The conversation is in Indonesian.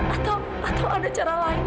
atau atau ada cara lain sus